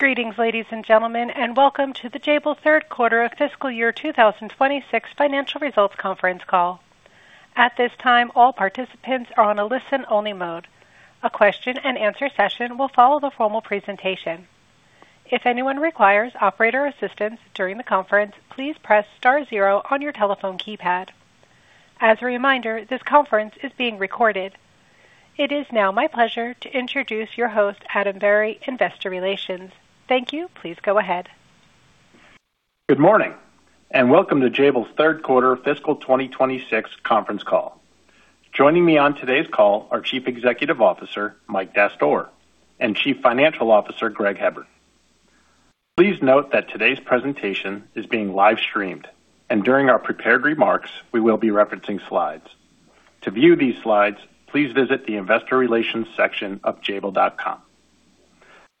Greetings, ladies and gentlemen, and welcome to the Jabil third quarter of fiscal year 2026 financial results conference call. At this time, all participants are on a listen-only mode. A question and answer session will follow the formal presentation. If anyone requires operator assistance during the conference, please press star zero on your telephone keypad. As a reminder, this conference is being recorded. It is now my pleasure to introduce your host, Adam Berry, Investor Relations. Thank you. Please go ahead. Good morning. Welcome to Jabil's third quarter fiscal 2026 conference call. Joining me on today's call are Chief Executive Officer, Mike Dastoor, and Chief Financial Officer, Greg Hebard. Please note that today's presentation is being live-streamed. During our prepared remarks, we will be referencing slides. To view these slides, please visit the investor relations section of jabil.com.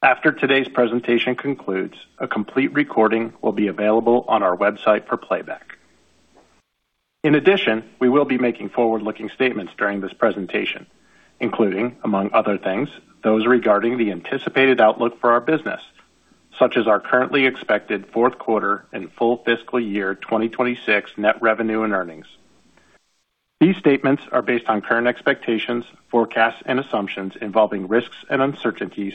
After today's presentation concludes, a complete recording will be available on our website for playback. We will be making forward-looking statements during this presentation, including, among other things, those regarding the anticipated outlook for our business, such as our currently expected fourth quarter and full fiscal year 2026 net revenue and earnings. These statements are based on current expectations, forecasts, and assumptions involving risks and uncertainties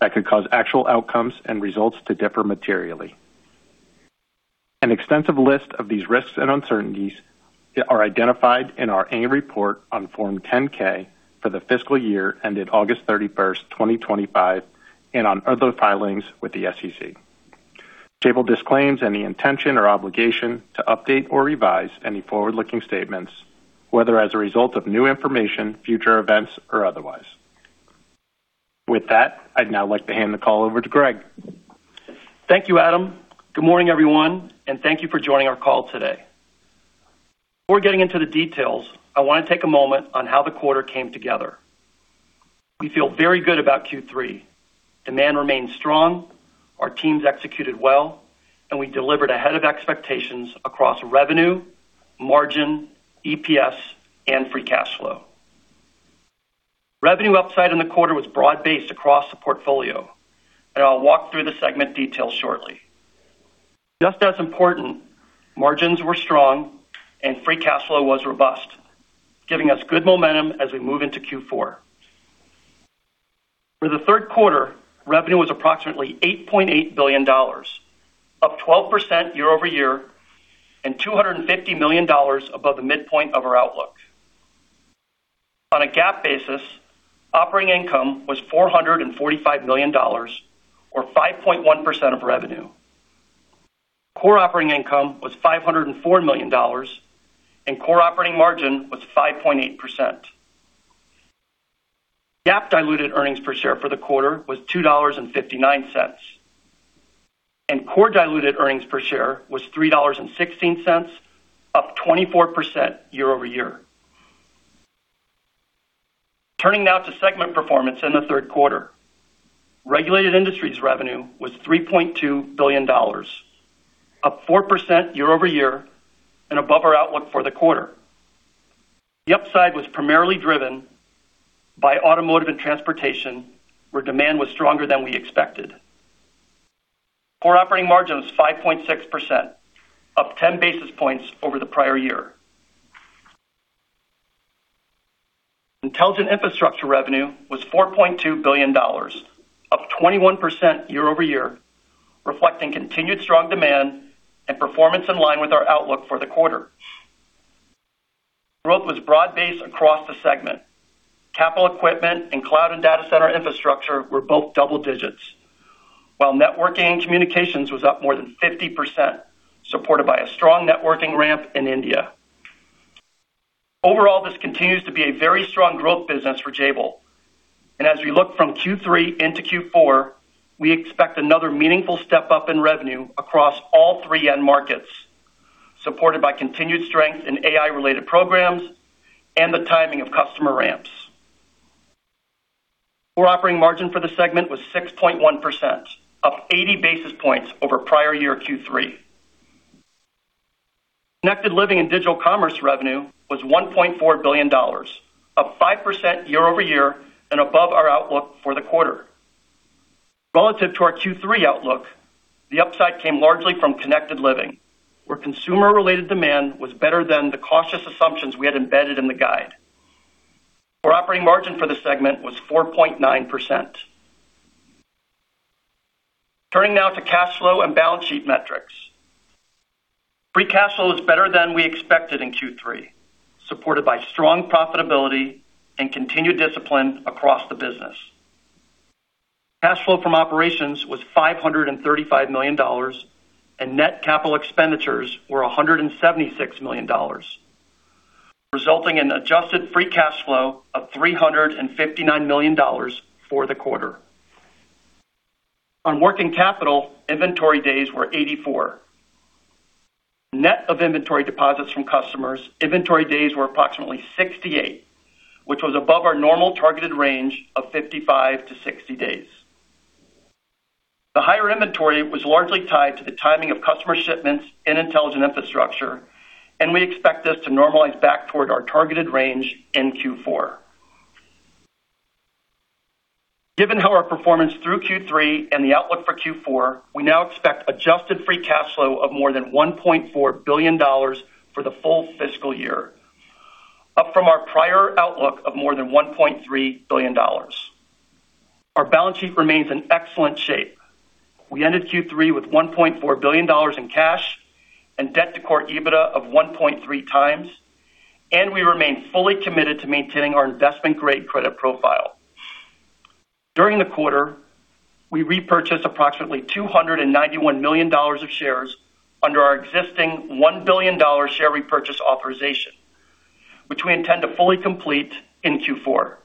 that could cause actual outcomes and results to differ materially. An extensive list of these risks and uncertainties are identified in our annual report on Form 10-K for the fiscal year ended August 31st, 2025, on other filings with the SEC. Jabil disclaims any intention or obligation to update or revise any forward-looking statements, whether as a result of new information, future events, or otherwise. I'd now like to hand the call over to Greg. Thank you, Adam. Good morning, everyone. Thank you for joining our call today. Before getting into the details, I want to take a moment on how the quarter came together. We feel very good about Q3. Demand remains strong, our teams executed well. We delivered ahead of expectations across revenue, margin, EPS, and free cash flow. Revenue upside in the quarter was broad-based across the portfolio. I'll walk through the segment details shortly. Just as important, margins were strong and free cash flow was robust, giving us good momentum as we move into Q4. For the third quarter, revenue was approximately $8.8 billion, up 12% year-over-year, and $250 million above the midpoint of our outlook. On a GAAP basis, operating income was $445 million, or 5.1% of revenue. Core operating income was $504 million, and core operating margin was 5.8%. GAAP diluted earnings per share for the quarter was $2.59. Core diluted earnings per share was $3.16, up 24% year-over-year. Turning now to segment performance in the third quarter. Regulated Industries revenue was $3.2 billion, up 4% year-over-year, above our outlook for the quarter. The upside was primarily driven by Automotive & Transportation, where demand was stronger than we expected. Core operating margin was 5.6%, up 10 basis points over the prior year. Intelligent Infrastructure revenue was $4.2 billion, up 21% year-over-year, reflecting continued strong demand and performance in line with our outlook for the quarter. Growth was broad-based across the segment. Capital equipment and cloud and data center infrastructure were both double digits, while networking and communications was up more than 50%, supported by a strong networking ramp in India. Overall, this continues to be a very strong growth business for Jabil. As we look from Q3 into Q4, we expect another meaningful step-up in revenue across all three end markets, supported by continued strength in AI-related programs and the timing of customer ramps. Core operating margin for the segment was 6.1%, up 80 basis points over prior year Q3. Connected Living and Digital Commerce revenue was $1.4 billion, up 5% year-over-year, above our outlook for the quarter. Relative to our Q3 outlook, the upside came largely from Connected Living, where consumer-related demand was better than the cautious assumptions we had embedded in the guide. Core operating margin for the segment was 4.9%. Turning now to cash flow and balance sheet metrics. Free cash flow was better than we expected in Q3, supported by strong profitability and continued discipline across the business. Cash flow from operations was $535 million. Net capital expenditures were $176 million, resulting in adjusted free cash flow of $359 million for the quarter. On working capital, inventory days were 84. Net of inventory deposits from customers, inventory days were approximately 68, which was above our normal targeted range of 55 days-60 days. The higher inventory was largely tied to the timing of customer shipments in Intelligent Infrastructure. We expect this to normalize back toward our targeted range in Q4. Given our performance through Q3 and the outlook for Q4, we now expect adjusted free cash flow of more than $1.4 billion for the full fiscal year, up from our prior outlook of more than $1.3 billion. Our balance sheet remains in excellent shape. We ended Q3 with $1.4 billion in cash and debt to core EBITDA of 1.3x. We remain fully committed to maintaining our investment-grade credit profile. During the quarter, we repurchased approximately $291 million of shares under our existing $1 billion share repurchase authorization, which we intend to fully complete in Q4.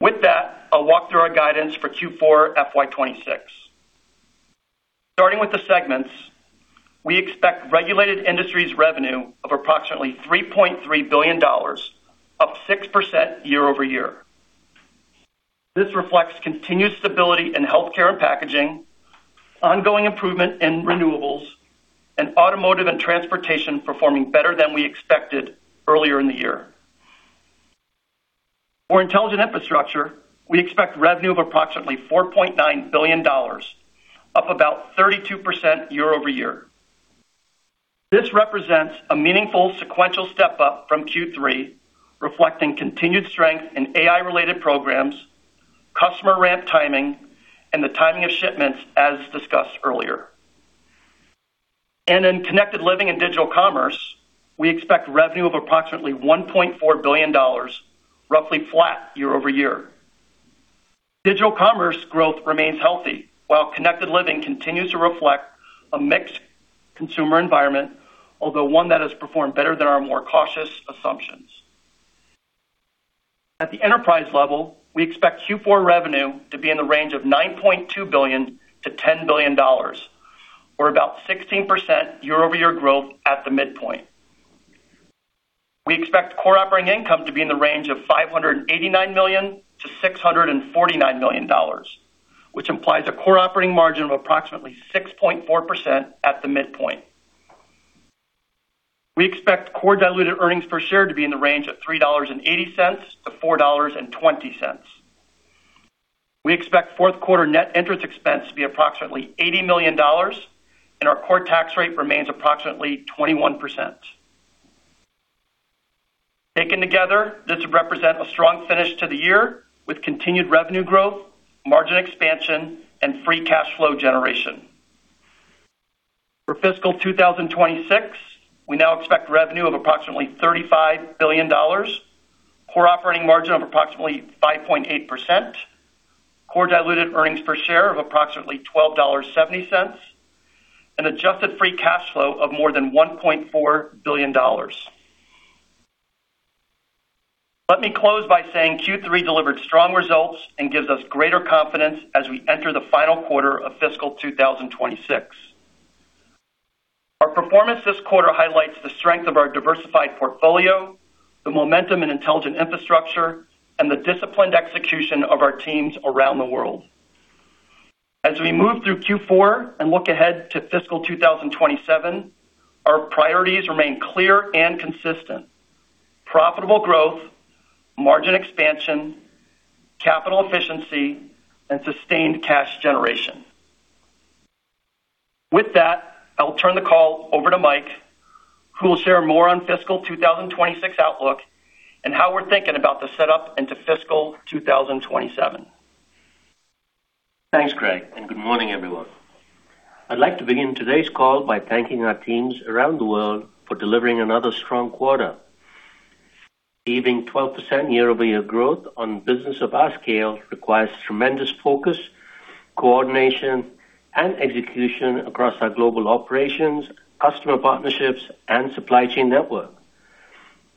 With that, I'll walk through our guidance for Q4 FY 2026. Starting with the segments, we expect Regulated Industries revenue of approximately $3.3 billion, up 6% year-over-year. This reflects continued stability in Healthcare & Packaging, ongoing improvement in Renewables, Automotive & Transportation performing better than we expected earlier in the year. For Intelligent Infrastructure, we expect revenue of approximately $4.9 billion, up about 32% year-over-year. This represents a meaningful sequential step-up from Q3, reflecting continued strength in AI-related programs, customer ramp timing, and the timing of shipments, as discussed earlier. In Connected Living and Digital Commerce, we expect revenue of approximately $1.4 billion, roughly flat year-over-year. Digital commerce growth remains healthy, while Connected Living continues to reflect a mixed consumer environment, although one that has performed better than our more cautious assumptions. At the enterprise level, we expect Q4 revenue to be in the range of $9.2 billion-$10 billion, or about 16% year-over-year growth at the midpoint. We expect core operating income to be in the range of $589 million-$649 million, which implies a core operating margin of approximately 6.4% at the midpoint. We expect core diluted earnings per share to be in the range of $3.80-$4.20. We expect fourth quarter net interest expense to be approximately $80 million, and our core tax rate remains approximately 21%. Taken together, this would represent a strong finish to the year, with continued revenue growth, margin expansion, and free cash flow generation. For fiscal 2026, we now expect revenue of approximately $35 billion, core operating margin of approximately 5.8%, core diluted earnings per share of approximately $12.70, and adjusted free cash flow of more than $1.4 billion. Let me close by saying Q3 delivered strong results and gives us greater confidence as we enter the final quarter of fiscal 2026. Our performance this quarter highlights the strength of our diversified portfolio, the momentum in Intelligent Infrastructure, and the disciplined execution of our teams around the world. As we move through Q4 and look ahead to fiscal 2027, our priorities remain clear and consistent: profitable growth, margin expansion, capital efficiency, and sustained cash generation. With that, I'll turn the call over to Mike, who will share more on fiscal 2026 outlook and how we're thinking about the setup into fiscal 2027. Thanks, Greg, and good morning, everyone. I'd like to begin today's call by thanking our teams around the world for delivering another strong quarter. Achieving 12% year-over-year growth on business of our scale requires tremendous focus, coordination, and execution across our global operations, customer partnerships, and supply chain network.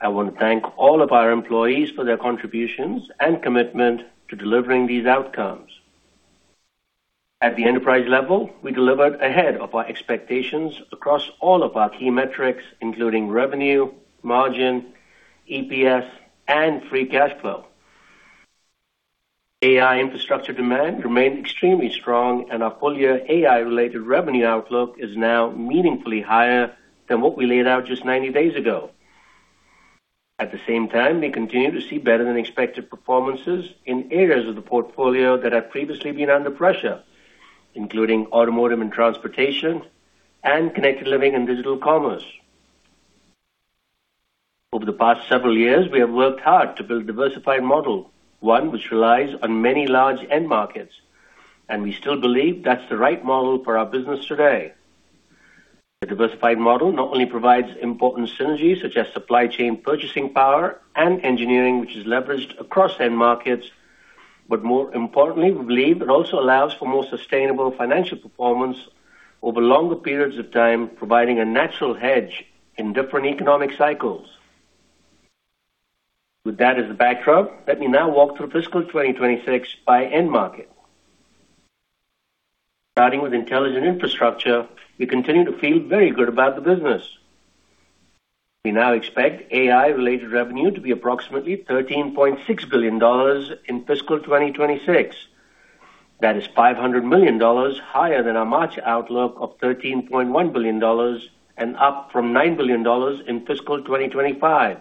I want to thank all of our employees for their contributions and commitment to delivering these outcomes. At the enterprise level, we delivered ahead of our expectations across all of our key metrics, including revenue, margin, EPS, and free cash flow. AI infrastructure demand remained extremely strong, and our full-year AI-related revenue outlook is now meaningfully higher than what we laid out just 90 days ago. At the same time, we continue to see better than expected performances in areas of the portfolio that have previously been under pressure, including automotive and transportation and Connected Living and Digital Commerce. Over the past several years, we have worked hard to build a diversified model, one which relies on many large end markets. We still believe that's the right model for our business today. The diversified model not only provides important synergies such as supply chain purchasing power and engineering, which is leveraged across end markets. More importantly, we believe it also allows for more sustainable financial performance over longer periods of time, providing a natural hedge in different economic cycles. With that as a backdrop, let me now walk through fiscal 2026 by end market. Starting with Intelligent Infrastructure, we continue to feel very good about the business. We now expect AI-related revenue to be approximately $13.6 billion in fiscal 2026. That is $500 million higher than our March outlook of $13.1 billion and up from $9 billion in fiscal 2025.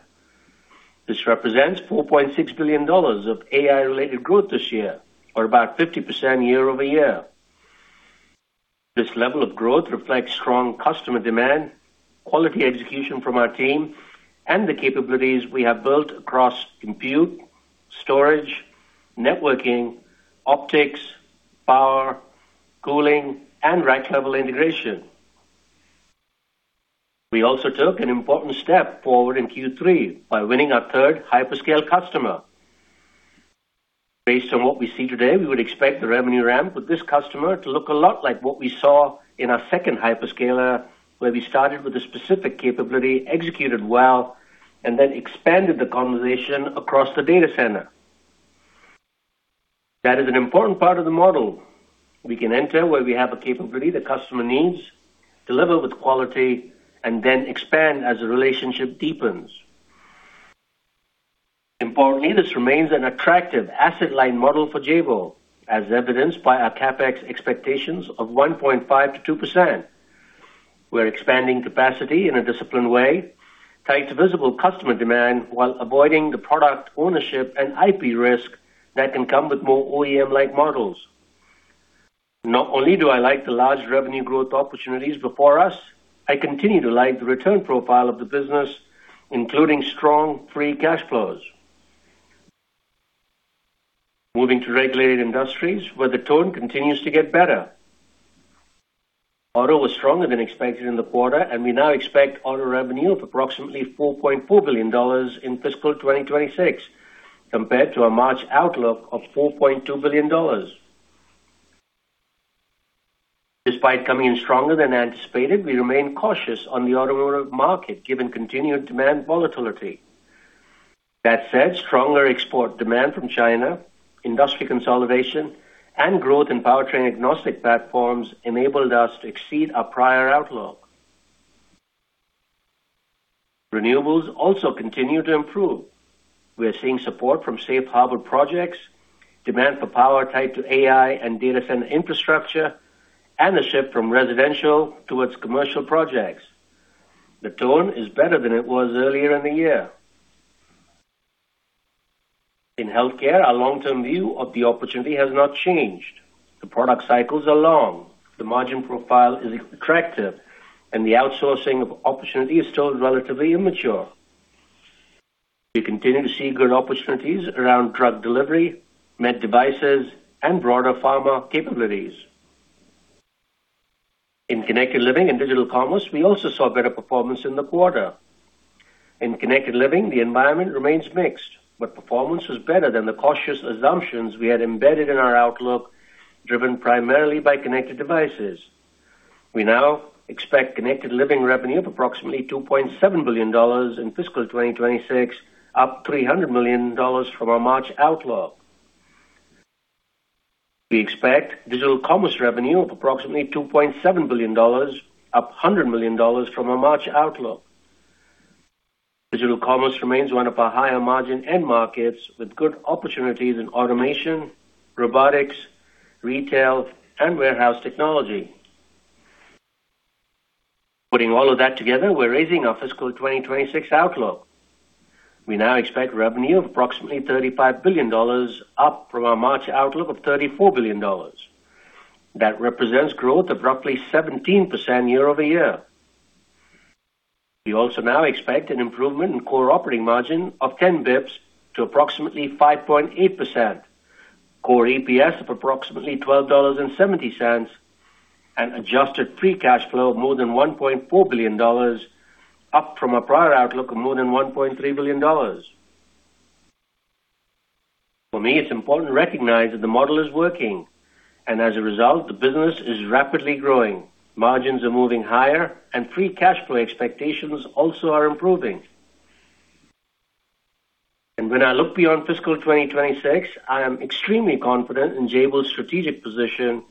This represents $4.6 billion of AI-related growth this year or about 50% year-over-year. This level of growth reflects strong customer demand, quality execution from our team, and the capabilities we have built across compute, storage, networking, optics, power, cooling, and rack level integration. We also took an important step forward in Q3 by winning our third hyperscale customer. Based on what we see today, we would expect the revenue ramp with this customer to look a lot like what we saw in our second hyperscaler, where we started with a specific capability, executed well, and then expanded the conversation across the data center. That is an important part of the model. We can enter where we have a capability the customer needs, deliver with quality, and then expand as the relationship deepens. Importantly, this remains an attractive asset-light model for Jabil, as evidenced by our CapEx expectations of 1.5%-2%. We're expanding capacity in a disciplined way, tied to visible customer demand while avoiding the product ownership and IP risk that can come with more OEM-like models. Not only do I like the large revenue growth opportunities before us, I continue to like the return profile of the business, including strong free cash flows. Moving to Regulated Industries where the tone continues to get better. Auto was stronger than expected in the quarter. We now expect Auto revenue of approximately $4.4 billion in fiscal 2026, compared to a March outlook of $4.2 billion. Despite coming in stronger than anticipated, we remain cautious on the Automotive market given continued demand volatility. That said, stronger export demand from China, industry consolidation, and growth in powertrain-agnostic platforms enabled us to exceed our prior outlook. Renewables also continue to improve. We're seeing support from safe harbor projects, demand for power tied to AI and data center infrastructure, and a shift from residential towards commercial projects. The tone is better than it was earlier in the year. In Healthcare, our long-term view of the opportunity has not changed. The product cycles are long, the margin profile is attractive, and the outsourcing of opportunity is still relatively immature. We continue to see good opportunities around drug delivery, med devices, and broader pharma capabilities. In Connected Living and Digital Commerce, we also saw better performance in the quarter. In Connected Living, the environment remains mixed. Performance was better than the cautious assumptions we had embedded in our outlook, driven primarily by connected devices. We now expect Connected Living revenue of approximately $2.7 billion in fiscal 2026, up $300 million from our March outlook. We expect Digital Commerce revenue of approximately $2.7 billion, up $100 million from our March outlook. Digital Commerce remains one of our higher margin end markets with good opportunities in automation, robotics, retail, and warehouse technology. Putting all of that together, we are raising our fiscal 2026 outlook. We now expect revenue of approximately $35 billion, up from our March outlook of $34 billion. That represents growth of roughly 17% year-over-year. We also now expect an improvement in core operating margin of 10 basis points to approximately 5.8%, core EPS of approximately $12.70, and adjusted free cash flow of more than $1.4 billion, up from a prior outlook of more than $1.3 billion. For me, it is important to recognize that the model is working, as a result, the business is rapidly growing. Margins are moving higher, and free cash flow expectations also are improving. When I look beyond fiscal 2026, I am extremely confident in Jabil's strategic position,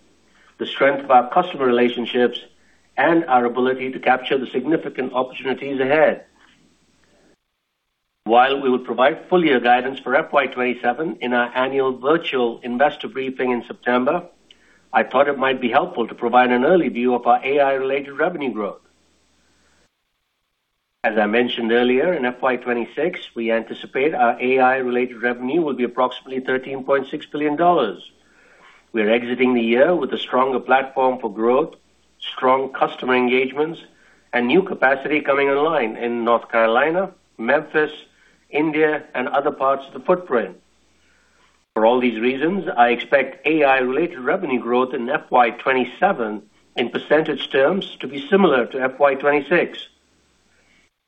the strength of our customer relationships, and our ability to capture the significant opportunities ahead. While we will provide full year guidance for FY 2027 in our Annual Virtual Investor Briefing in September, I thought it might be helpful to provide an early view of our AI-related revenue growth. As I mentioned earlier, in FY 2026, we anticipate our AI-related revenue will be approximately $13.6 billion. We are exiting the year with a stronger platform for growth, strong customer engagements, and new capacity coming online in North Carolina, Memphis, India, and other parts of the footprint. For all these reasons, I expect AI-related revenue growth in FY 2027 in percentage terms to be similar to FY 2026.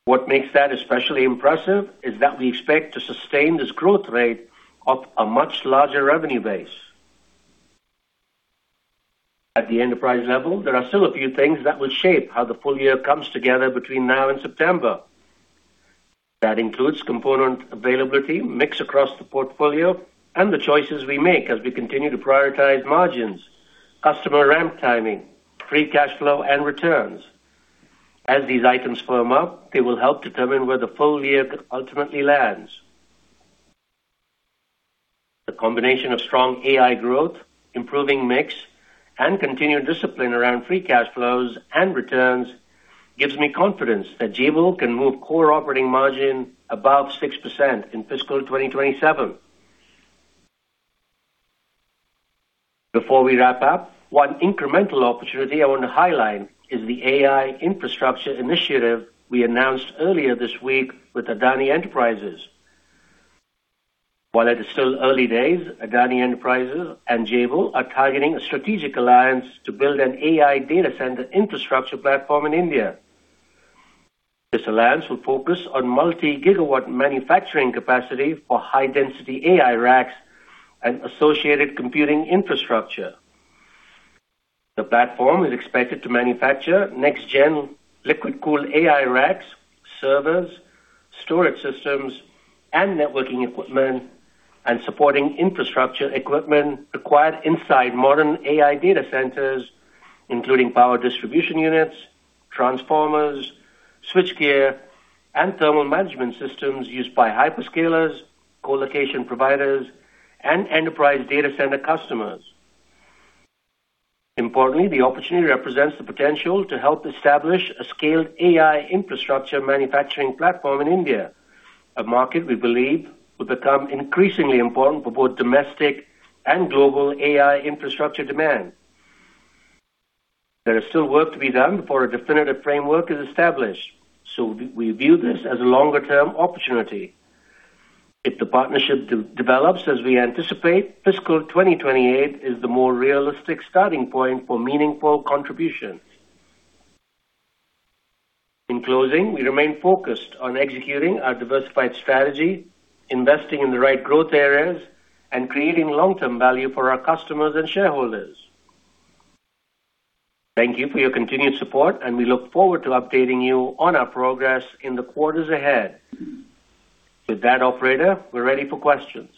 What makes that especially impressive is that we expect to sustain this growth rate off a much larger revenue base. At the enterprise level, there are still a few things that will shape how the full year comes together between now and September. That includes component availability, mix across the portfolio, and the choices we make as we continue to prioritize margins, customer ramp timing, free cash flow, and returns. As these items firm up, they will help determine where the full year ultimately lands. The combination of strong AI growth, improving mix, and continued discipline around free cash flows and returns gives me confidence that Jabil can move core operating margin above 6% in fiscal 2027. Before we wrap up, one incremental opportunity I want to highlight is the AI infrastructure initiative we announced earlier this week with Adani Enterprises. While it is still early days, Adani Enterprises and Jabil are targeting a strategic alliance to build an AI data center infrastructure platform in India. This alliance will focus on multi-gigawatt manufacturing capacity for high-density AI racks and associated computing infrastructure. The platform is expected to manufacture next-gen liquid-cooled AI racks, servers, storage systems, networking equipment, and supporting infrastructure equipment required inside modern AI data centers, including power distribution units, transformers, switchgear, and thermal management systems used by hyperscalers, co-location providers, and enterprise data center customers. Importantly, the opportunity represents the potential to help establish a scaled AI infrastructure manufacturing platform in India, a market we believe will become increasingly important for both domestic and global AI infrastructure demand. There is still work to be done before a definitive framework is established, we view this as a longer-term opportunity. If the partnership develops as we anticipate, fiscal 2028 is the more realistic starting point for meaningful contributions. In closing, we remain focused on executing our diversified strategy, investing in the right growth areas, and creating long-term value for our customers and shareholders. Thank you for your continued support, we look forward to updating you on our progress in the quarters ahead. With that, Operator, we're ready for questions.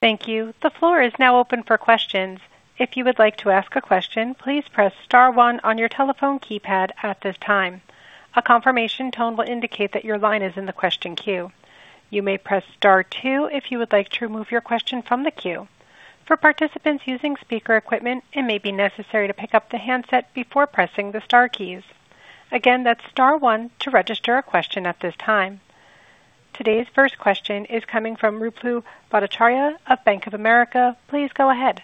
Thank you. The floor is now open for questions. If you would like to ask a question, please press star one on your telephone keypad at this time. A confirmation tone will indicate that your line is in the question queue. You may press star two if you would like to remove your question from the queue. For participants using speaker equipment, it may be necessary to pick up the handset before pressing the star keys. Again, that's star one to register a question at this time. Today's first question is coming from Ruplu Bhattacharya of Bank of America. Please go ahead.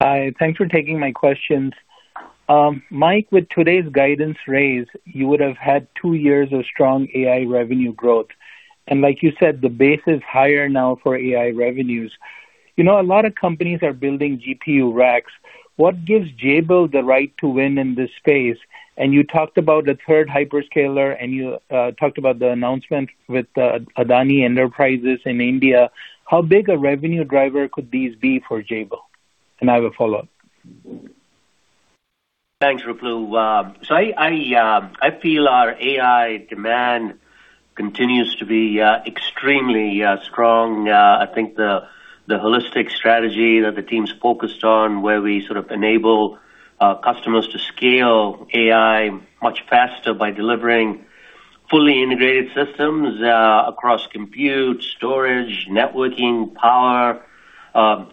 Hi, thanks for taking my questions. Mike, with today's guidance raise, you would have had two years of strong AI revenue growth. Like you said, the base is higher now for AI revenues. A lot of companies are building GPU racks. What gives Jabil the right to win in this space? You talked about the third hyperscaler, you talked about the announcement with Adani Enterprises in India. How big a revenue driver could these be for Jabil? I have a follow-up. Thanks, Ruplu. I feel our AI demand continues to be extremely strong. I think the holistic strategy that the team's focused on, where we sort of enable our customers to scale AI much faster by delivering fully integrated systems across compute, storage, networking, power,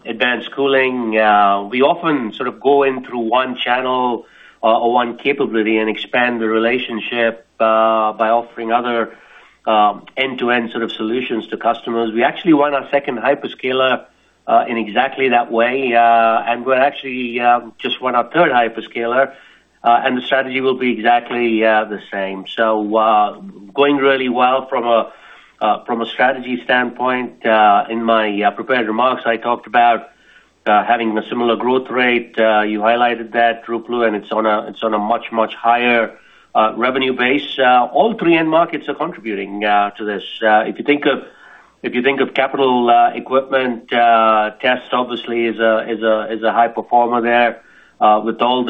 advanced cooling. We often sort of go in through one channel or one capability, expand the relationship by offering other end-to-end sort of solutions to customers. We actually won our second hyperscaler in exactly that way, we actually just won our third hyperscaler, the strategy will be exactly the same. Going really well from a strategy standpoint. In my prepared remarks, I talked about having a similar growth rate. You highlighted that, Ruplu, it's on a much, much higher revenue base. All three end markets are contributing to this. If you think of capital equipment, test obviously is a high performer there. With all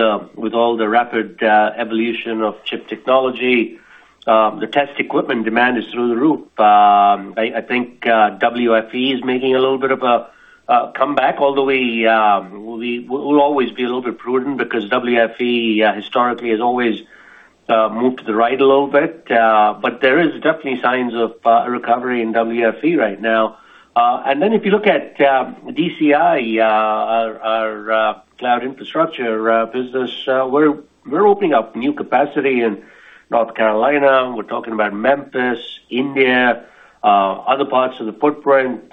the rapid evolution of chip technology, the test equipment demand is through the roof. I think WFE is making a little bit of a comeback, although we'll always be a little bit prudent because WFE historically has always moved to the right a little bit. There is definitely signs of a recovery in WFE right now. If you look at DCI, our cloud infrastructure business, we're opening up new capacity in North Carolina. We're talking about Memphis, India, other parts of the footprint.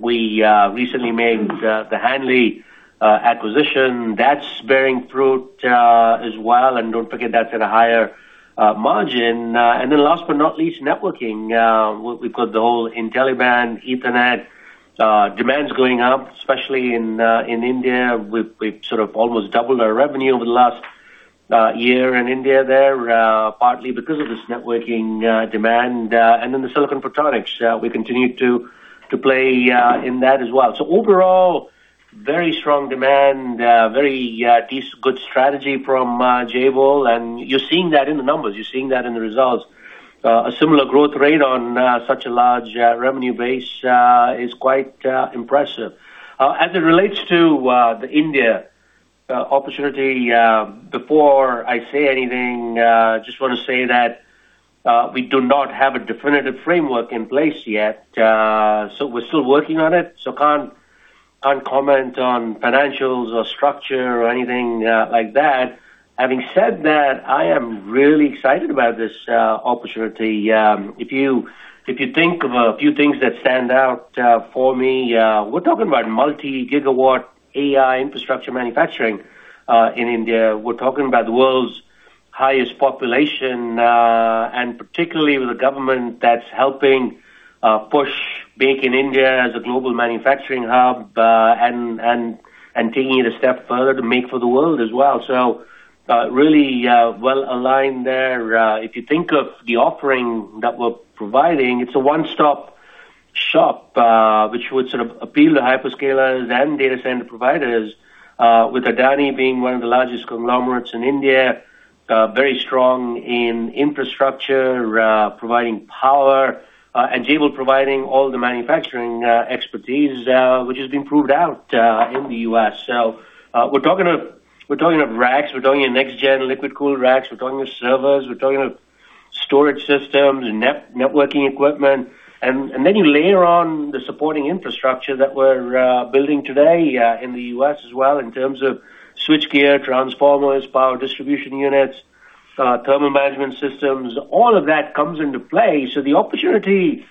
We recently made the Hanley acquisition. That's bearing fruit as well, and don't forget that's at a higher margin. Last but not least, networking. We've got the whole InfiniBand and Ethernet demands going up, especially in India. We've sort of almost doubled our revenue over the last year in India there, partly because of this networking demand. The silicon photonics, we continue to play in that as well. Overall, very strong demand, very good strategy from Jabil, and you're seeing that in the numbers, you're seeing that in the results. A similar growth rate on such a large revenue base is quite impressive. As it relates to the India opportunity, before I say anything, I just want to say that we do not have a definitive framework in place yet. We're still working on it, so can't comment on financials or structure or anything like that. Having said that, I am really excited about this opportunity. If you think of a few things that stand out for me, we're talking about multi-gigawatt AI infrastructure manufacturing in India. We're talking about the world's highest population, and particularly with a government that's helping push Make in India as a global manufacturing hub, and taking it a step further to make for the world as well. Really well-aligned there. If you think of the offering that we're providing, it's a one-stop shop, which would sort of appeal to hyperscalers and data center providers, with Adani being one of the largest conglomerates in India, very strong in infrastructure, providing power, and Jabil providing all the manufacturing expertise, which has been proved out in the U.S. We're talking of racks, we're talking of next-gen liquid cool racks, we're talking of servers, we're talking of storage systems and networking equipment. You layer on the supporting infrastructure that we're building today in the U.S. as well in terms of switchgear, transformers, power distribution units, thermal management systems. All of that comes into play. The opportunity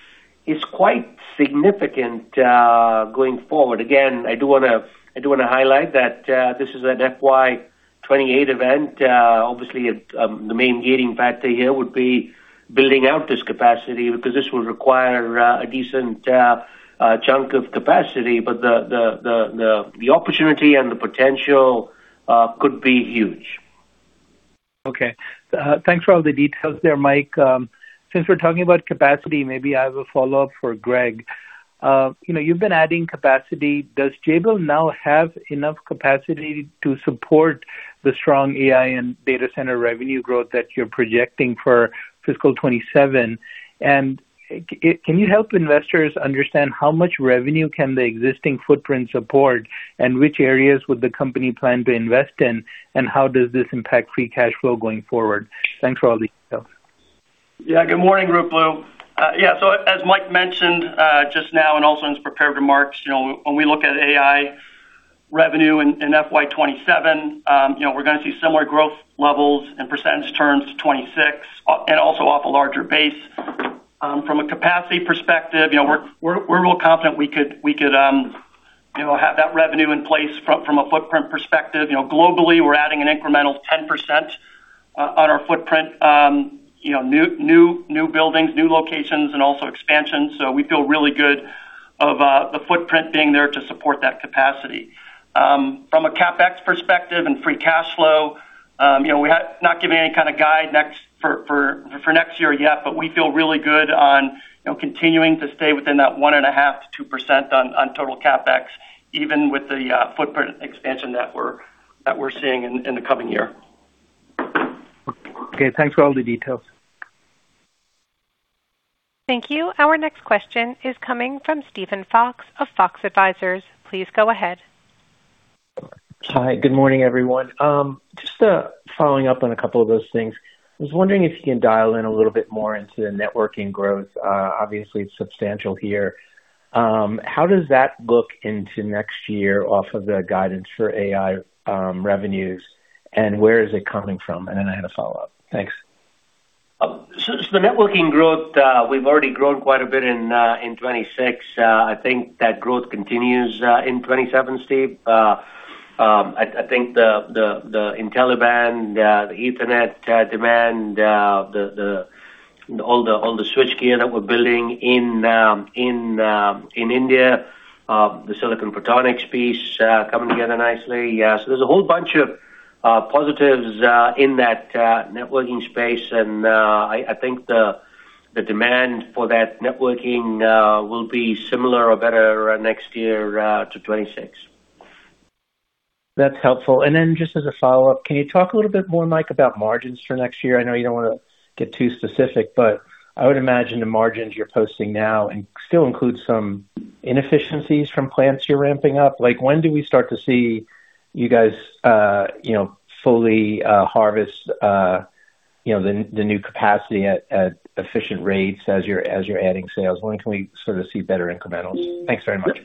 is quite significant going forward. Again, I do want to highlight that this is an FY 2028 event. Obviously, the main gating factor here would be building out this capacity, because this will require a decent chunk of capacity. The opportunity and the potential could be huge. Okay. Thanks for all the details there, Mike. Since we're talking about capacity, maybe I have a follow-up for Greg. You've been adding capacity. Does Jabil now have enough capacity to support the strong AI and data center revenue growth that you're projecting for FY 2027? Can you help investors understand how much revenue can the existing footprint support, which areas would the company plan to invest in? And how does this impact free cash flow going forward? Thanks for all the details. Good morning, Ruplu. As Mike mentioned just now, also in his prepared remarks, when we look at AI revenue in FY 2027, we're going to see similar growth levels and percentage turns to 2026, also off a larger base. From a capacity perspective, we're real confident we could have that revenue in place from a footprint perspective. Globally, we're adding an incremental 10% on our footprint. New buildings, new locations, and also expansions. We feel really good of the footprint being there to support that capacity. From a CapEx perspective and free cash flow, we have not given any kind of guide for next year yet, but we feel really good on continuing to stay within that 1.5%-2% on total CapEx, even with the footprint expansion that we're seeing in the coming year. Okay. Thanks for all the details. Thank you. Our next question is coming from Steven Fox of Fox Advisors. Please go ahead. Hi. Good morning, everyone. Just following up on a couple of those things. I was wondering if you can dial in a little bit more into the networking growth. Obviously, it's substantial here. How does that look into next year off of the guidance for AI revenues? And where is it coming from? Then I had a follow-up. Thanks. The networking growth, we've already grown quite a bit in 2026. I think that growth continues in 2027, Steve. I think the InfiniBand, the Ethernet demand, all the switchgear that we're building in India, the silicon photonics piece coming together nicely. There's a whole bunch of positives in that networking space, and I think the demand for that networking will be similar or better next year to 2026. That's helpful. Then just as a follow-up, can you talk a little bit more, Mike, about margins for next year? I know you don't want to get too specific, but I would imagine the margins you're posting now still include some inefficiencies from plants you're ramping up. When do we start to see you guys fully harvest the new capacity at efficient rates as you're adding sales? When can we sort of see better incrementals? Thanks very much.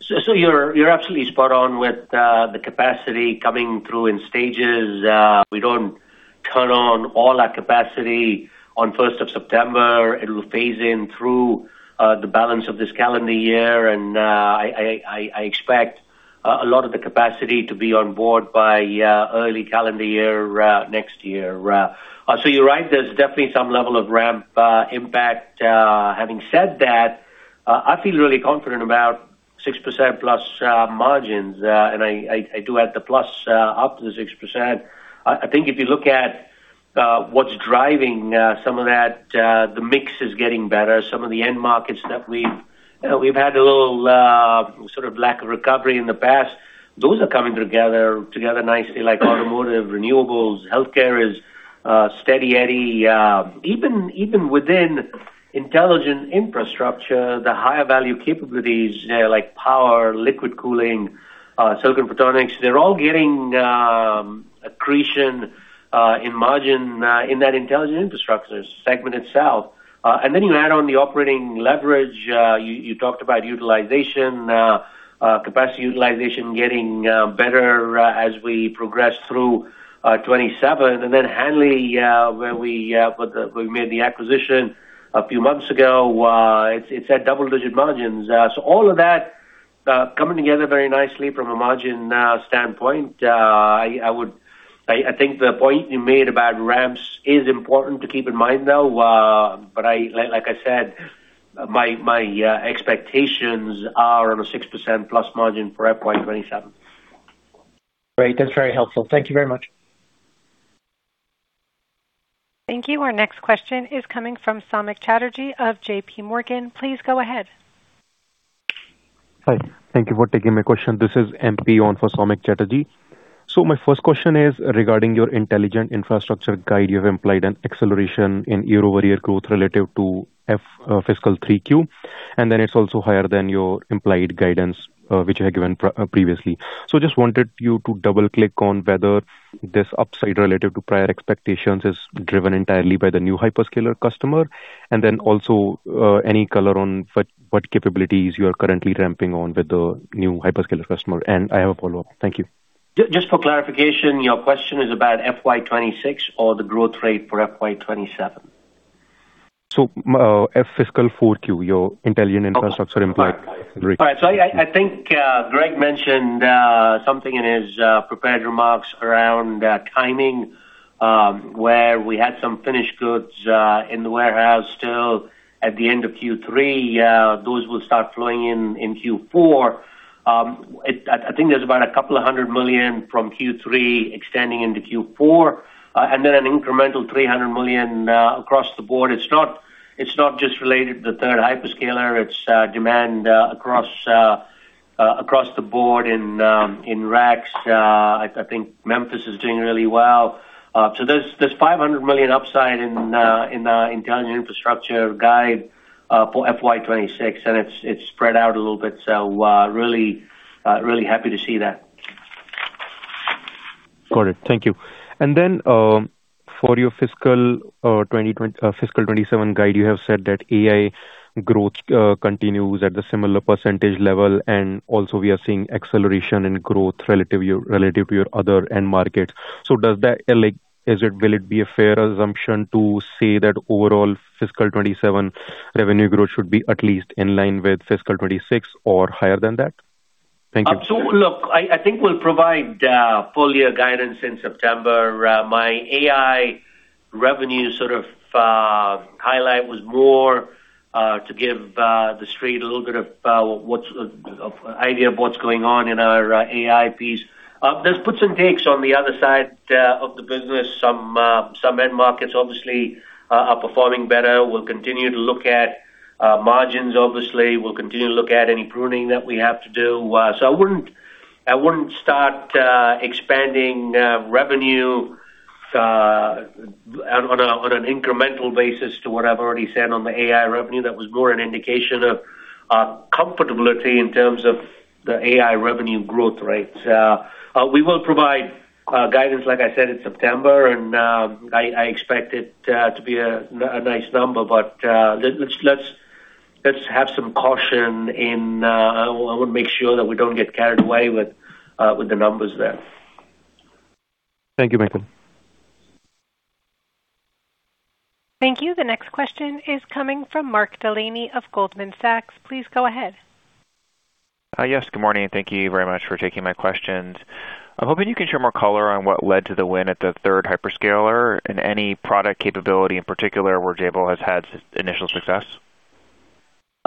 You're absolutely spot on with the capacity coming through in stages. We don't turn on all our capacity on 1st of September. It will phase in through the balance of this calendar year, and I expect a lot of the capacity to be on board by early calendar year next year. You're right, there's definitely some level of ramp impact. Having said that, I feel really confident about 6%+ margins, and I do add the plus after the 6%. I think if you look at what's driving some of that, the mix is getting better. Some of the end markets that we've had a little sort of lack of recovery in the past Those are coming together nicely, like Automotive, Renewables, Healthcare is Steady Eddie. Even within Intelligent Infrastructure, the higher value capabilities like power, liquid cooling, silicon photonics, they're all getting accretion in margin in that Intelligent Infrastructure segment itself. Then you add on the operating leverage. You talked about capacity utilization getting better as we progress through 2027, and then Hanley, where we made the acquisition a few months ago, it's at double digit margins. All of that coming together very nicely from a margin standpoint. I think the point you made about ramps is important to keep in mind, though. Like I said, my expectations are on a 6%+ margin for FY 2027. Great. That's very helpful. Thank you very much. Thank you. Our next question is coming from Samik Chatterjee of JPMorgan. Please go ahead. Hi. Thank you for taking my question. This is [MP] on for Samik Chatterjee. My first question is regarding your Intelligent Infrastructure guide. You have implied an acceleration in year-over-year growth relative to fiscal 3Q, then it's also higher than your implied guidance, which you had given previously. Just wanted you to double-click on whether this upside relative to prior expectations is driven entirely by the new hyperscaler customer. And then also any color on what capabilities you are currently ramping on with the new hyperscaler customer? I have a follow-up. Thank you. Just for clarification, your question is about FY 2026 or the growth rate for FY 2027? Fiscal 4Q, your Intelligent Infrastructure implied. Okay. All right. I think Greg mentioned something in his prepared remarks around timing, where we had some finished goods in the warehouse still at the end of Q3. Those will start flowing in in Q4. I think there's about a couple hundred million from Q3 extending into Q4, and then an incremental $300 million across the board. It's not just related to the third hyperscaler, it's demand across the board in racks. I think Memphis is doing really well. There's $500 million upside in the Intelligent Infrastructure guide for FY 2026, and it's spread out a little bit. Really happy to see that. Got it. Thank you. Then, for your fiscal 2027 guide, you have said that AI growth continues at the similar percentage level, and also we are seeing acceleration in growth relative to your other end markets. Will it be a fair assumption to say that overall fiscal 2027 revenue growth should be at least in line with fiscal 2026 or higher than that? Thank you. Look, I think we'll provide full year guidance in September. My AI revenue sort of highlight was more to give the street a little bit of idea of what's going on in our AI piece. There's puts and takes on the other side of the business. Some end markets obviously are performing better. We'll continue to look at margins obviously. We'll continue to look at any pruning that we have to do. I wouldn't start expanding revenue on an incremental basis to what I've already said on the AI revenue. That was more an indication of comfortability in terms of the AI revenue growth rates. We will provide guidance, like I said, in September, and I expect it to be a nice number. Let's have some caution in I want to make sure that we don't get carried away with the numbers there. Thank you, Mike. Thank you. The next question is coming from Mark Delaney of Goldman Sachs. Please go ahead. Yes, good morning. Thank you very much for taking my questions. I'm hoping you can share more color on what led to the win at the third hyperscaler and any product capability in particular where Jabil has had initial success?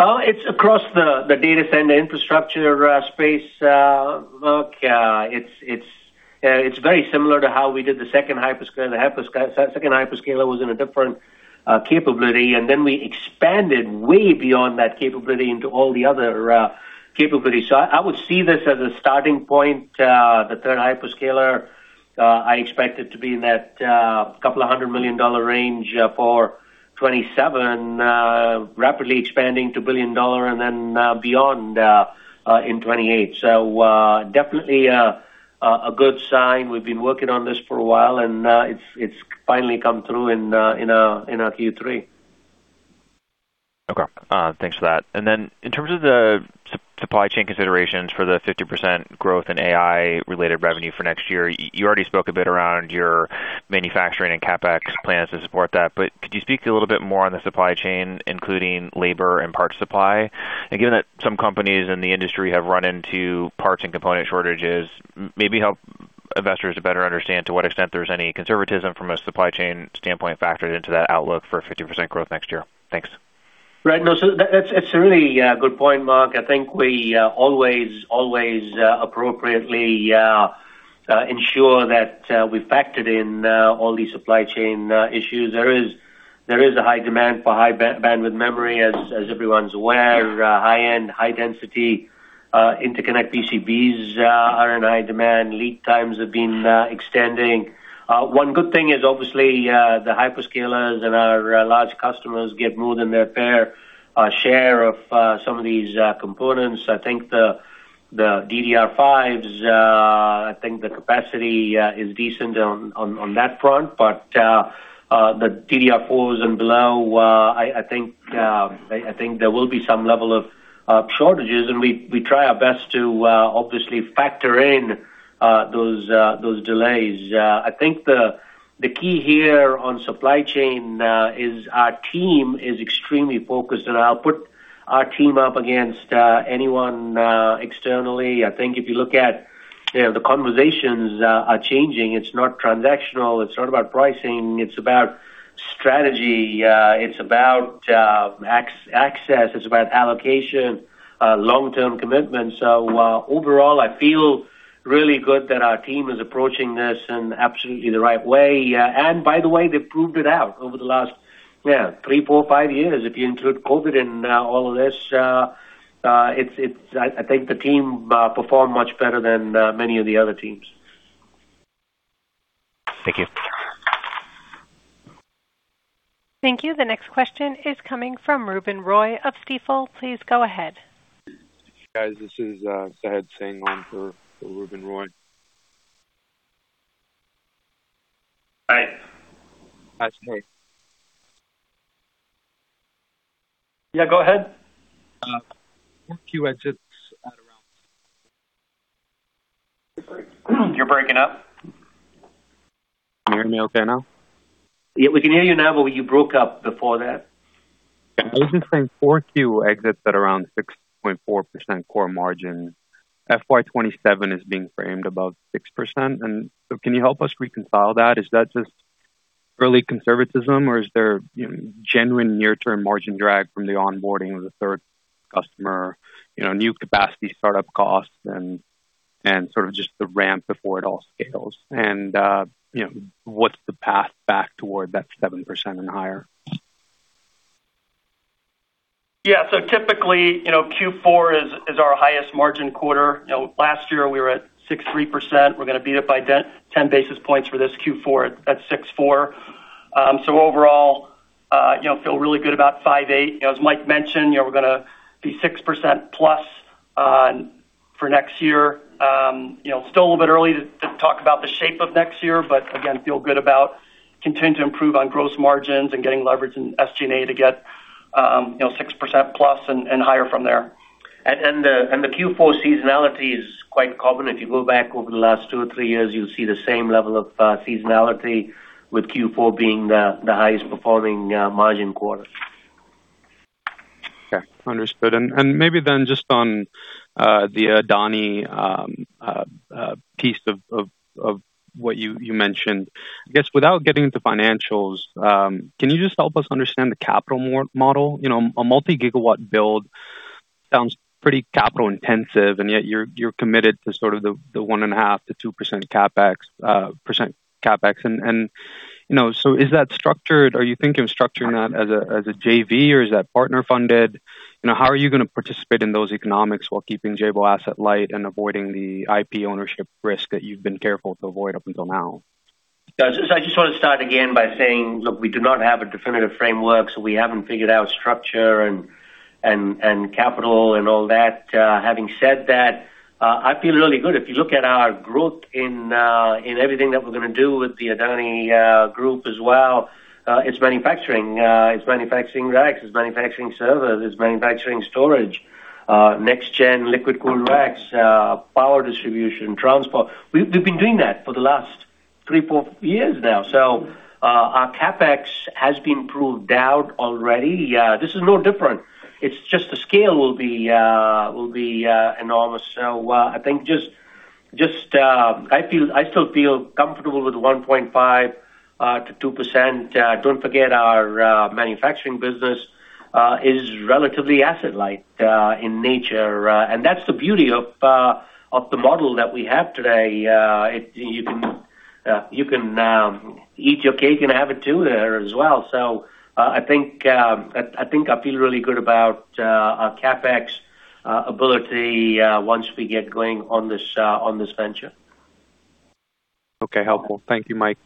It's across the data center infrastructure space. Look, it's very similar to how we did the second hyperscaler. The second hyperscaler was in a different capability, and then we expanded way beyond that capability into all the other capabilities. I would see this as a starting point. The third hyperscaler, I expect it to be in that couple of $100 million range for 2027, rapidly expanding to billion dollar and then beyond in 2028. Definitely a good sign. We've been working on this for a while, and it's finally come through in our Q3. Okay. Thanks for that. In terms of the supply chain considerations for the 50% growth in AI-related revenue for next year, you already spoke a bit around your manufacturing and CapEx plans to support that, but could you speak a little bit more on the supply chain, including labor and parts supply? Given that some companies in the industry have run into parts and component shortages, maybe help investors to better understand to what extent there's any conservatism from a supply chain standpoint factored into that outlook for 50% growth next year? Thanks. Right. No, so it's a really good point, Mark. I think we always appropriately ensure that we factor in all these supply chain issues. There is a high demand for High Bandwidth Memory, as everyone's aware. High-end, high-density interconnect PCBs are in high demand. Lead times have been extending. One good thing is obviously, the hyperscalers and our large customers get more than their fair share of some of these components. I think the DDR5 capacity is decent on that front, but the DDR4s and below, I think there will be some level of shortages, and we try our best to obviously factor in those delays. I think the key here on supply chain is our team is extremely focused, and I'll put our team up against anyone externally. I think if you look at the conversations are changing. It's not transactional. It's not about pricing. It's about strategy. It's about access. It's about allocation, long-term commitments. Overall, I feel really good that our team is approaching this in absolutely the right way. By the way, they've proved it out over the last three, four, five years, if you include COVID in all of this. I think the team performed much better than many of the other teams. Thank you. Thank you. The next question is coming from Ruben Roy of Stifel. Please go ahead. Guys, this is Sahej Singh line for Ruben Roy. Hi. Hi, it's me. Yeah, go ahead. Q exits at around- You're breaking up. Can you hear me okay now? We can hear you now, you broke up before that. I was just saying 4Q exits at around 6.4% core margin. FY 2027 is being framed above 6%, can you help us reconcile that? Is that just early conservatism, there genuine near-term margin drag from the onboarding of the third customer, new capacity startup costs, and sort of just the ramp before it all scales? What's the path back toward that 7% and higher? Typically, Q4 is our highest margin quarter. Last year, we were at 63%. We're going to beat it by 10 basis points for this Q4 at 64%. Overall feel really good about 58%. As Mike mentioned, we're going to be 6%+ for next year. Still a little bit early to talk about the shape of next year, again, feel good about continuing to improve on gross margins and getting leverage in SG&A to get 6%+ and higher from there. The Q4 seasonality is quite common. If you go back over the last two or three years, you'll see the same level of seasonality with Q4 being the highest-performing margin quarter. Okay. Understood. Maybe just on the Adani piece of what you mentioned, I guess without getting into financials, can you just help us understand the capital model? A multi-gigawatt build sounds pretty capital intensive, yet you're committed to sort of the 1.5%-2% CapEx. Are you thinking of structuring that as a JV, or is that partner-funded? How are you going to participate in those economics while keeping Jabil asset light and avoiding the IP ownership risk that you've been careful to avoid up until now? I just want to start again by saying, look, we do not have a definitive framework, so we haven't figured out structure and capital and all that. Having said that, I feel really good. If you look at our growth in everything that we're going to do with the Adani Group as well, it's manufacturing racks, it's manufacturing servers, it's manufacturing storage, next-gen liquid-cooled racks, power distribution, transport. We've been doing that for the last three, four years now. Our CapEx has been proved out already. This is no different. It's just the scale will be enormous. I still feel comfortable with 1.5%-2%. Don't forget, our manufacturing business is relatively asset-light in nature. That's the beauty of the model that we have today. You can eat your cake and have it too there as well. I think I feel really good about our CapEx ability once we get going on this venture. Okay, helpful. Thank you, Mike.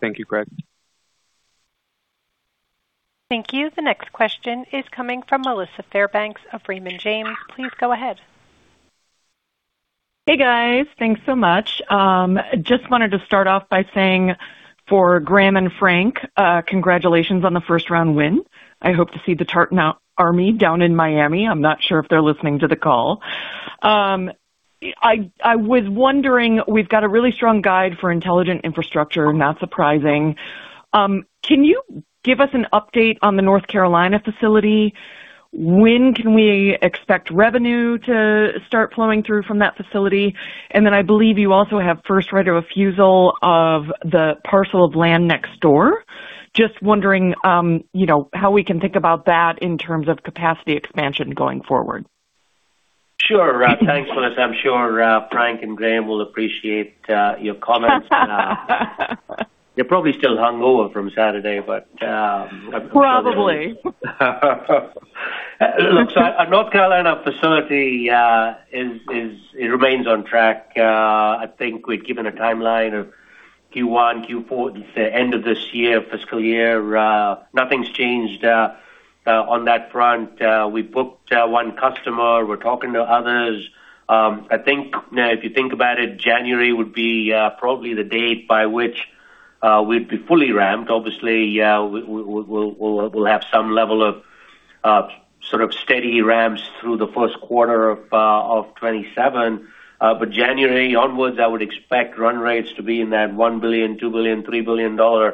Thank you, Greg. Thank you. The next question is coming from Melissa Fairbanks of Raymond James. Please go ahead. Hey, guys. Thanks so much. Just wanted to start off by saying for Graham and Frank, congratulations on the first-round win. I hope to see the Tartan Army down in Miami. I am not sure if they are listening to the call. I was wondering, we have got a really strong guide for Intelligent Infrastructure, not surprising. Can you give us an update on the North Carolina facility? When can we expect revenue to start flowing through from that facility? Then I believe you also have first right of refusal of the parcel of land next door. Just wondering how we can think about that in terms of capacity expansion going forward? Sure. Thanks, Melissa. I am sure Frank and Graham will appreciate your comments. You are probably still hungover from Saturday. Probably. Look, our North Carolina facility, it remains on track. I think we'd given a timeline of Q1, Q4, the end of this year, fiscal year. Nothing's changed on that front. We booked one customer. We're talking to others. I think if you think about it, January would be probably the date by which we'd be fully ramped. Obviously, we'll have some level of steady ramps through the first quarter of 2027. January onwards, I would expect run rates to be in that $1 billion, $2 billion, $3 billion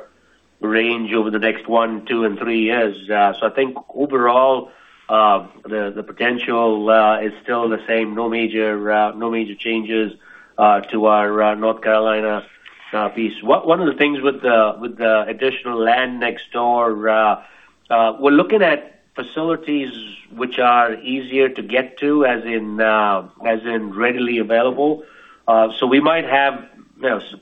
range over the next one, two, and three years. I think overall, the potential is still the same. No major changes to our North Carolina piece. One of the things with the additional land next door, we're looking at facilities which are easier to get to, as in readily available. We might have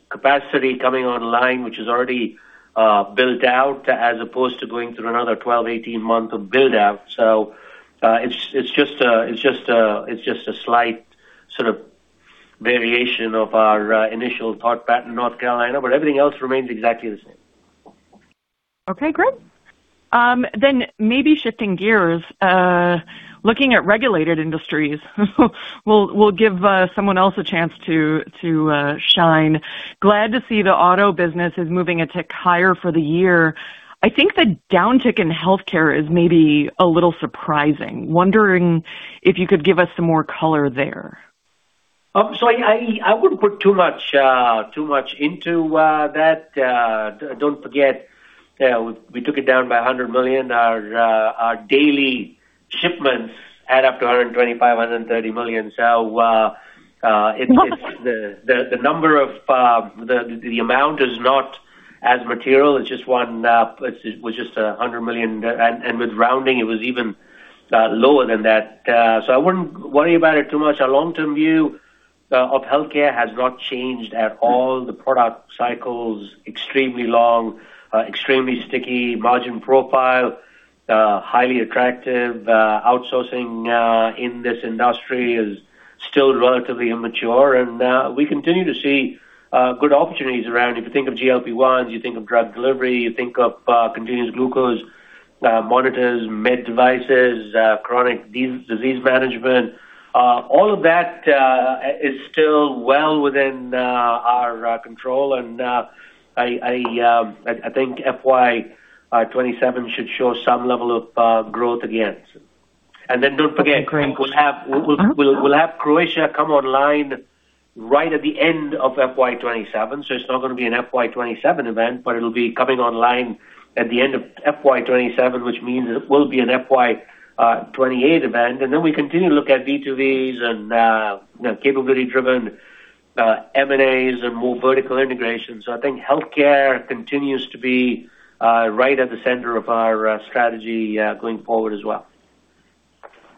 capacity coming online, which is already built out as opposed to going through another 12, 18 months of build-out. It's just a slight sort of variation of our initial thought pattern in North Carolina, everything else remains exactly the same. Okay, great. Maybe shifting gears, looking at Regulated Industries, we'll give someone else a chance to shine. Glad to see the auto business is moving a tick higher for the year. I think the downtick in healthcare is maybe a little surprising. Wondering if you could give us some more color there? I wouldn't put too much into that. Don't forget, we took it down by $100 million. Our daily shipments add up to $125 million-$130 million. Wow. The number of the amount is not as material. It was just $100 million. With rounding, it was even lower than that. I wouldn't worry about it too much. Our long-term view of Healthcare has not changed at all. The product cycle's extremely long, extremely sticky margin profile, highly attractive. Outsourcing in this industry is still relatively immature, and we continue to see good opportunities around. If you think of GLP-1s, you think of drug delivery, you think of continuous glucose monitors, med devices, chronic disease management. All of that is still well within our control. I think FY 2027 should show some level of growth at the end. Don't forget. We'll have Croatia come online right at the end of FY 2027. It's not going to be an FY 2027 event, but it'll be coming online at the end of FY 2027, which means it will be an FY 2028 event. We continue to look at D2V and capability-driven M&A and more vertical integration. I think Healthcare continues to be right at the center of our strategy going forward as well.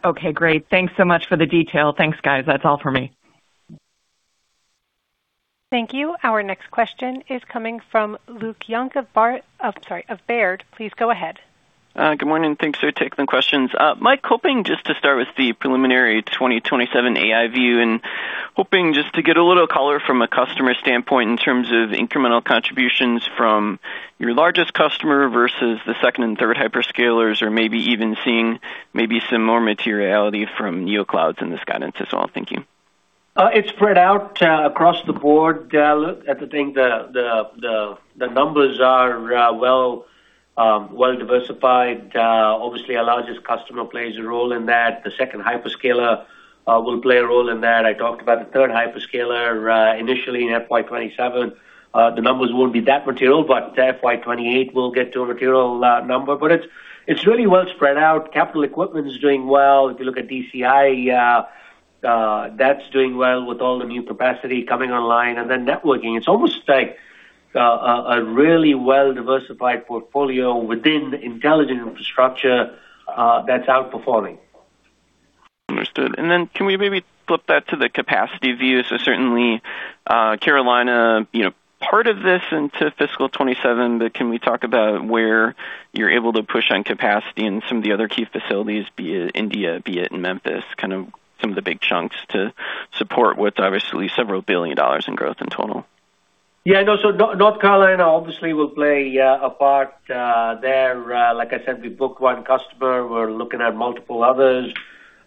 Okay, great. Thanks so much for the detail. Thanks, guys. That's all for me. Thank you. Our next question is coming from Luke Young of Baird. Please go ahead. Good morning. Thanks for taking the questions. Mike, hoping just to start with the preliminary 2027 AI view and hoping just to get a little color from a customer standpoint in terms of incremental contributions from your largest customer versus the second and third hyperscalers or maybe even seeing some more materiality from Neoclouds in this guidance as well? Thank you. It's spread out across the board, Luke. I think the numbers are well diversified. Obviously, our largest customer plays a role in that. The second hyperscaler will play a role in that. I talked about the third hyperscaler. Initially in FY 2027, the numbers won't be that material, but FY 2028 will get to a material number. It's really well spread out. capital equipment is doing well. If you look at DCI, that's doing well with all the new capacity coming online, and then networking. It's almost like a really well-diversified portfolio within Intelligent Infrastructure that's outperforming. Understood. Can we maybe flip that to the capacity view? Certainly, North Carolina, part of this into fiscal 2027, but can we talk about where you're able to push on capacity in some of the other key facilities, be it India, be it Memphis, kind of some of the big chunks to support with obviously several billion dollars in growth in total? Yeah. No. North Carolina obviously will play a part there. Like I said, we book one customer. We're looking at multiple others.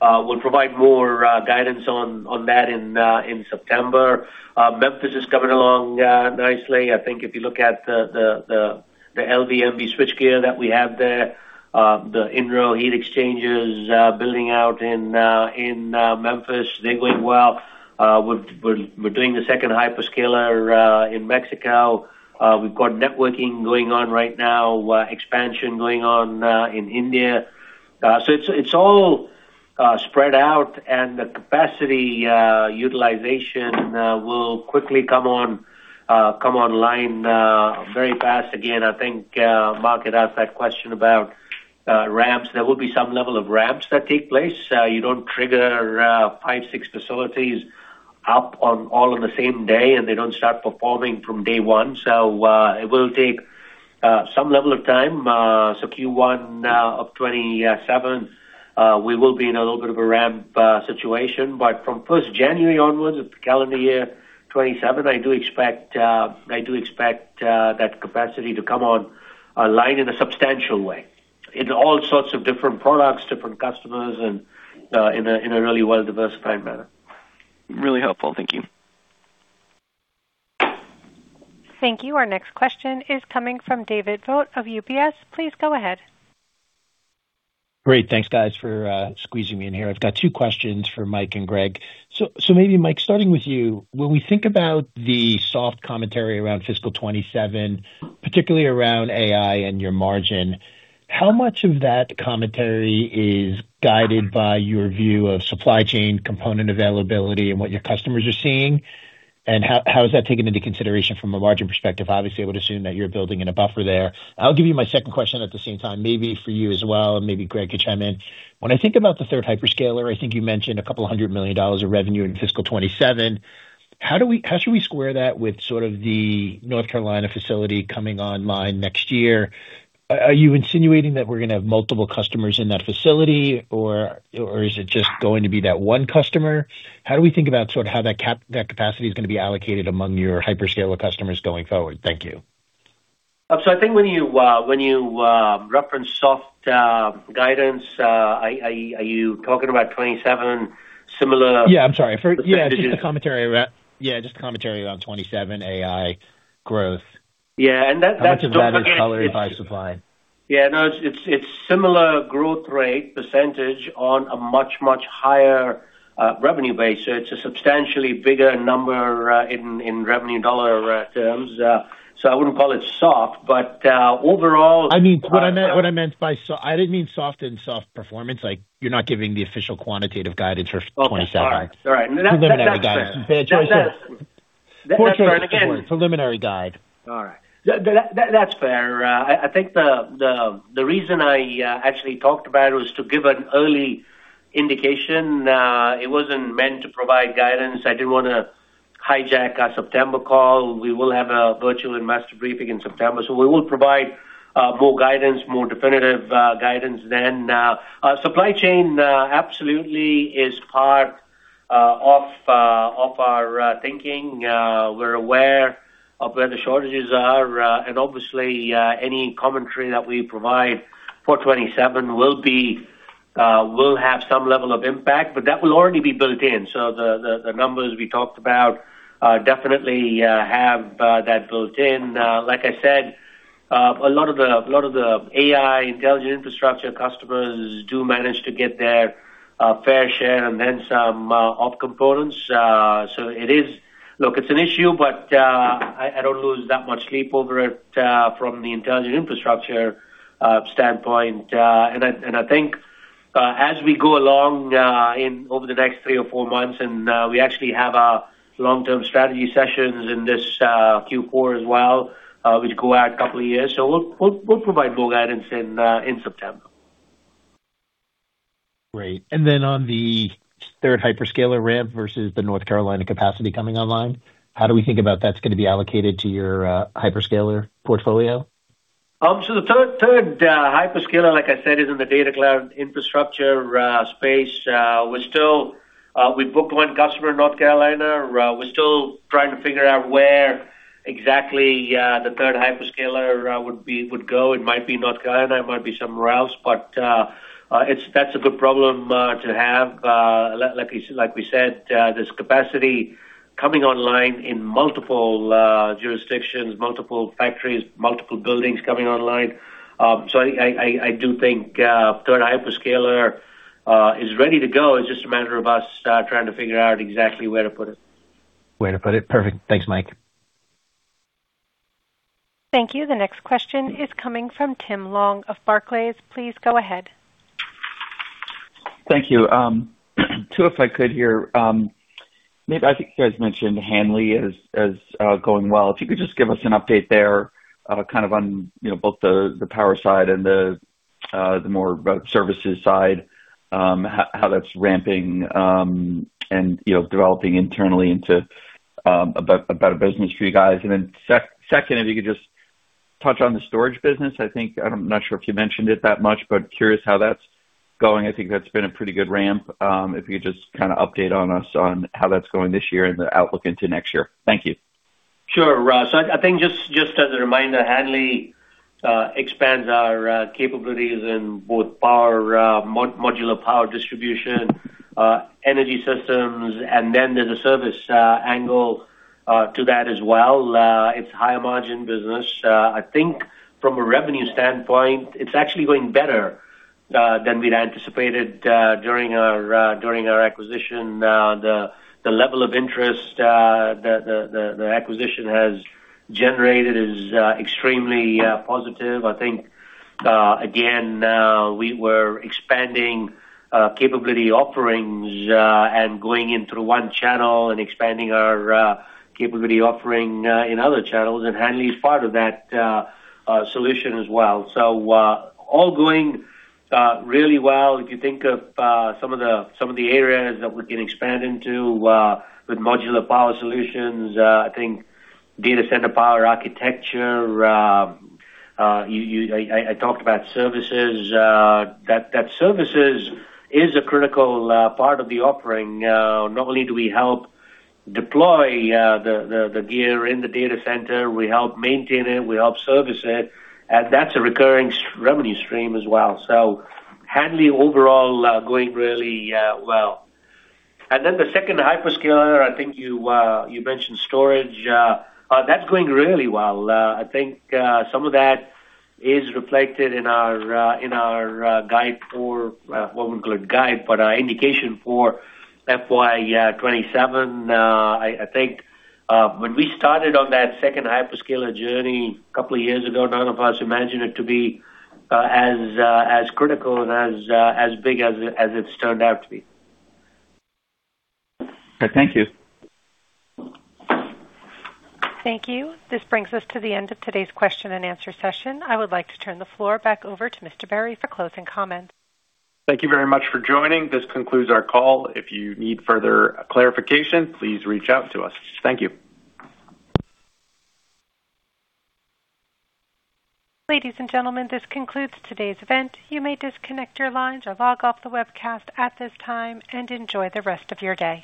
We'll provide more guidance on that in September. Memphis is coming along nicely. I think if you look at the LV/MV switchgear that we have there, the in-row heat exchangers building out in Memphis, they're going well. We're doing the second hyperscaler in Mexico. We've got networking going on right now, expansion going on in India. It's all spread out, and the capacity utilization will quickly come online very fast. Again, I think Mark had asked that question about ramps. There will be some level of ramps that take place. You don't trigger five, six facilities up all on the same day. They don't start performing from day one. It will take some level of time. Q1 of 2027, we will be in a little bit of a ramp situation. From the 1st January onwards of the calendar year 2027, I do expect that capacity to come online in a substantial way. In all sorts of different products, different customers, and in a really well-diversified manner. Really helpful. Thank you. Thank you. Our next question is coming from David Vogt of UBS. Please go ahead. Great. Thanks, guys, for squeezing me in here. I've got two questions for Mike and Greg. Maybe, Mike, starting with you, when we think about the soft commentary around fiscal 2027, particularly around AI and your margin, how much of that commentary is guided by your view of supply chain component availability and what your customers are seeing? How is that taken into consideration from a margin perspective? Obviously, I would assume that you're building in a buffer there. I'll give you my second question at the same time, maybe for you as well, and maybe Greg could chime in. When I think about the third hyperscaler, I think you mentioned a couple hundred million dollars of revenue in fiscal 2027. How should we square that with sort of the North Carolina facility coming online next year? Are you insinuating that we're gonna have multiple customers in that facility, or is it just going to be that one customer? How do we think about how that capacity is gonna be allocated among your hyperscaler customers going forward? Thank you. I think when you reference soft guidance, are you talking about 2027 similar- Yeah, I'm sorry. Yeah, just the commentary around 2027 AI growth. Yeah. That- How much of that is colored by supply? Yeah, no, it's similar growth rate percentage on a much, much higher revenue base. It's a substantially bigger number in revenue dollar terms. I wouldn't call it soft, but overall. I didn't mean soft in soft performance, like you're not giving the official quantitative guidance for 2027. Okay. All right. Preliminary guidance. Fair choice of words. That's fair. Preliminary guide. All right. That's fair. I think the reason I actually talked about it was to give an early indication. It wasn't meant to provide guidance. I didn't want to hijack our September call. We will have a Virtual Investor Briefing in September. We will provide more guidance, more definitive guidance then. Supply chain absolutely is part of our thinking. We're aware of where the shortages are. Obviously, any commentary that we provide for 2027 will have some level of impact, but that will already be built in. The numbers we talked about definitely have that built in. Like I said, a lot of the AI Intelligent Infrastructure customers do manage to get their fair share and then some off components. Look, it's an issue, but I don't lose that much sleep over it from the Intelligent Infrastructure standpoint. I think as we go along over the next three or four months, and we actually have our long-term strategy sessions in this Q4 as well, which go out a couple of years. We'll provide more guidance in September. Great. On the third hyperscaler ramp versus the North Carolina capacity coming online, how do we think about that's going to be allocated to your hyperscaler portfolio? The third hyperscaler, like I said, is in the data center infrastructure space. We booked one customer in North Carolina. We're still trying to figure out where exactly the third hyperscaler would go. It might be North Carolina, it might be somewhere else, that's a good problem to have. Like we said, there's capacity coming online in multiple jurisdictions, multiple factories, multiple buildings coming online. I do think third hyperscaler is ready to go. It's just a matter of us trying to figure out exactly where to put it. Where to put it. Perfect. Thanks, Mike. Thank you. The next question is coming from Tim Long of Barclays. Please go ahead. Thank you. Two, if I could here. I think you guys mentioned Hanley as going well. If you could just give us an update there kind of on both the power side and the more services side. How that's ramping and developing internally into a better business for you guys? Second, if you could just touch on the storage business. I'm not sure if you mentioned it that much, but curious how that's going. I think that's been a pretty good ramp. If you could just kind of update us on how that's going this year and the outlook into next year. Thank you. Sure. I think just as a reminder, Hanley expands our capabilities in both modular power distribution, energy systems, and then there's a service angle to that as well. It's higher margin business. I think from a revenue standpoint, it's actually going better than we'd anticipated during our acquisition. The level of interest the acquisition has generated is extremely positive. I think, again, we were expanding capability offerings and going into one channel and expanding our capability offering in other channels, and Hanley is part of that solution as well. All going really well. If you think of some of the areas that we can expand into with modular power solutions, I think data center power architecture. I talked about services. That services is a critical part of the offering. Not only do we help deploy the gear in the data center, we help maintain it, we help service it. That's a recurring revenue stream as well. Hanley overall going really well. The second hyperscaler, I think you mentioned storage. That's going really well. I think some of that is reflected in our guide for, well, we call it guide, but our indication for FY 2027. I think when we started on that second hyperscaler journey a couple of years ago, none of us imagined it to be as critical and as big as it's turned out to be. Okay. Thank you. Thank you. This brings us to the end of today's question and answer session. I would like to turn the floor back over to Mr. Berry for closing comments. Thank you very much for joining. This concludes our call. If you need further clarification, please reach out to us. Thank you. Ladies and gentlemen, this concludes today's event. You may disconnect your lines or log off the webcast at this time, and enjoy the rest of your day.